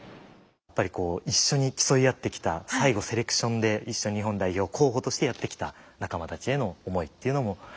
やっぱりこう一緒に競い合ってきた最後セレクションで一緒に日本代表候補としてやってきた仲間たちへの思いというのも間違いなく乗ってたのかなと思います。